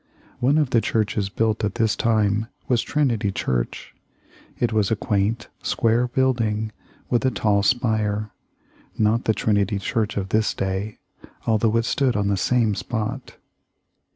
One of the churches built at this time was Trinity Church. It was a quaint, square building, with a tall spire not the Trinity Church of this day, although it stood on the same spot.